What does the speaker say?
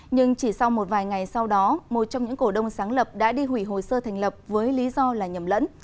nhưng chỉ sau một vài ngày sau đó một trong những cổ đông sáng lập đã đi hủy hồ sơ thành lập với lý do là nhầm lẫn